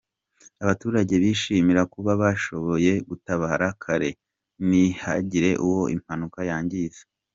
Abaturage bishimira kuba bashoboye gutabara kare ntihagire uwo impanuka yangiza.